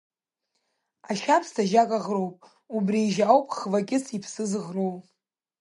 Ашьабсҭа жьак аӷроуп, убри ажьа ауп Хвакьыц иԥсы зыӷроу.